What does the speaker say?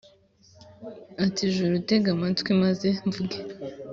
ati «juru, tega amatwi, maze mvuge.